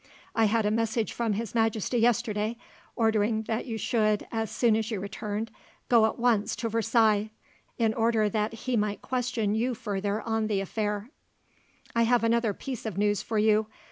I had a message from His Majesty yesterday, ordering that you should, as soon as you returned, go at once to Versailles, in order that he might question you further on the affair. "I have another piece of news for you.